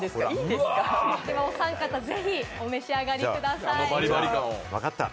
おさん方、ぜひお召し上がりください。